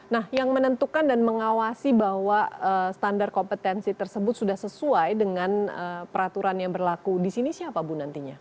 nah yang menentukan dan mengawasi bahwa standar kompetensi tersebut sudah sesuai dengan peraturan yang berlaku di sini siapa bu nantinya